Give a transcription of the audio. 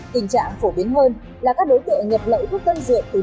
tình trạng phổ biến hơn là các đối tượng nhập lậu thuốc tân dược